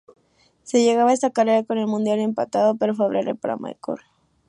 Se llegaba a esta carrera con el mundial empatado, pero favorable para Michael.